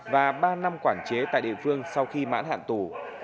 và ba năm quản chế tại địa phương sau khi mãn hạn tù